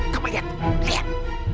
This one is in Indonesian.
kamu lihat lihat